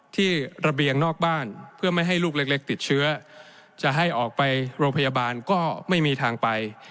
ที่ระเบียงนอกบ้านเพื่อไม่ให้ลูกเล็กติดเชื้อจะให้ออกไปโรงพยาบาลก็ไม่มีทางไป